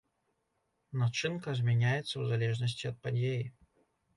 Начынка змяняецца ў залежнасці ад падзеі.